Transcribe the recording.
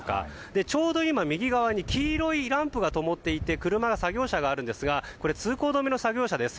ちょうど今、右側に黄色いランプがともっていて作業車がいるんですがこちらは通行止めの作業車です。